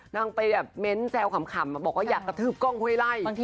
นางไปแบบเน้นแซวขำบอกว่าอยากกระทืบกล้องห้วยไล่